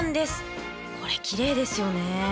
これきれいですよね。